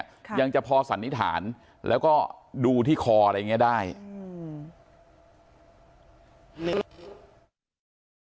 ค่ะยังจะพอสันนิษฐานแล้วก็ดูที่คออะไรอย่างเงี้ยได้อืม